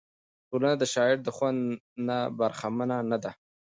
ټولنه د شاعر د خوند نه برخمنه نه ده.